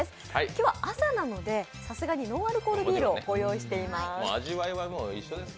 今日は朝なのでさすがにノンアルコールビールをご用意しています。